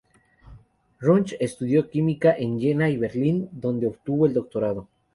Runge estudió química en Jena y Berlín, donde obtuvo el doctorado.